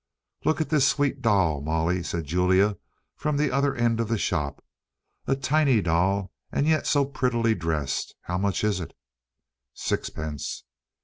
"Look at this sweet doll, Molly," said Julia, from the other end of the shop. "A tiny doll and yet so prettily dressed. How much is it?" "Sixpence."